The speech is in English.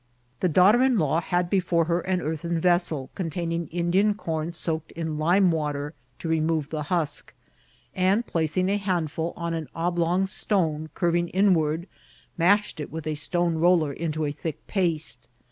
The daugh ter in law had before her an earthen vessel containing Indian corn soaked in lime water to remove the husk ; and, placing a handful on an oblong stone curving in ward, mashed it with a stone roller into a thick paste.